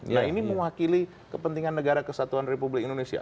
nah ini mewakili kepentingan negara kesatuan republik indonesia